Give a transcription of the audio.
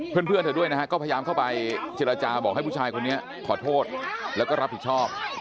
เพื่อนเธอด้วยนะฮะก็พยายามเข้าไปเจรจาบอกให้ผู้ชายคนนี้ขอโทษแล้วก็รับผิดชอบ